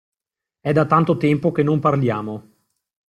È da tanto tempo che non parliamo.